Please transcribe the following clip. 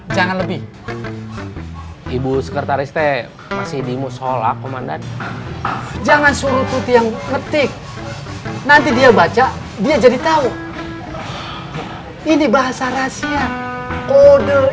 jangan lupa like share dan subscribe